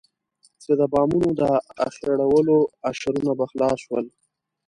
چې د بامونو د اخېړولو اشرونه به خلاص شول.